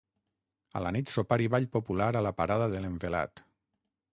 A la nit sopar i ball popular a la parada de l'envelat.